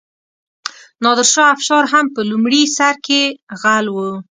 نادرشاه افشار هم په لومړي سر کې غل و.